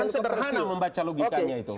kan sederhana membaca logikanya itu